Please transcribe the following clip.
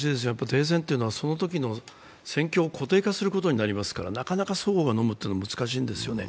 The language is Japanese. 停戦というのはそのときの戦況を固定化することになりますからなかなか双方がのむことは難しいんですよね。